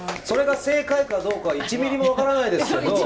それが正解かどうかは一ミリも分からないですけど。